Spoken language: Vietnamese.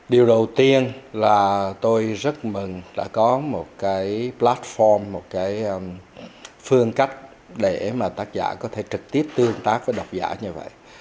điều đầu tiên là tôi rất mừng đã có một cái platform một cái phương cách để mà tác giả có thể trực tiếp tương tác với đọc giả như vậy